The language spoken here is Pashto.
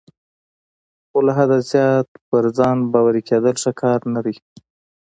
خو له حده زیات پر ځان باوري کیدل ښه کار نه دی.